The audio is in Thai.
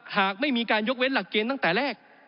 หากไม่มีการยกเว้นหลักเกณฑ์ตั้งแต่แรก